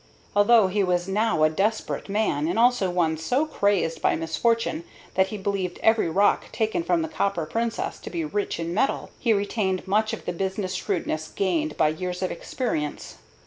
Although he was now a desperate man, and also one so crazed by misfortune that he believed every rock taken from the Copper Princess to be rich in metal, he retained much of the business shrewdness gained by years of experience.